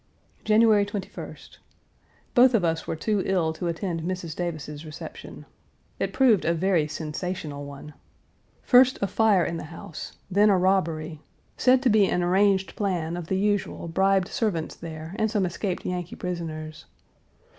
January 21st. Both of us were too ill to attend Mrs. Davis's reception. It proved a very sensational one. First, a fire in the house, then a robbery said to be an arranged plan of the usual bribed servants there and some escaped Yankee prisoners.